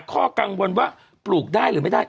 ข้อกังวลว่าปลูกได้หรือไม่ได้